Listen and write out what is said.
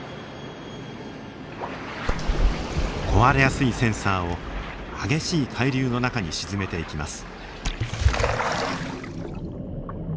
壊れやすいセンサーを激しい海流の中に沈めていきます。